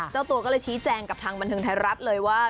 เจ้าตัวก็เลยชี้แจงกับทางบันเทิงไทยรัฐเลยว่า